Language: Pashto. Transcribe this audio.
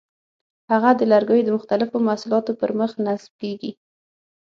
هغه د لرګیو د مختلفو محصولاتو پر مخ نصب کېږي.